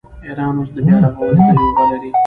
ایران اوس د بیارغونې تجربه لري.